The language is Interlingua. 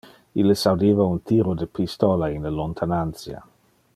Illes audiva un tiro de pistola in le lontanantia.